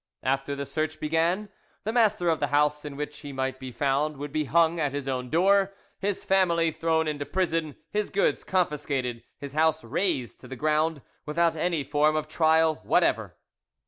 After the search began, the master of the house in which he might be found would be hung at his own door, his family thrown into prison, his goods confiscated, his house razed to the ground, without any form of trial whatever.